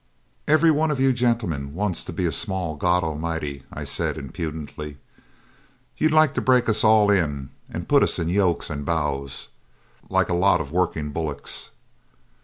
'Every one of you gentlemen wants to be a small God Almighty,' I said impudently. 'You'd like to break us all in and put us in yokes and bows, like a lot of working bullocks.'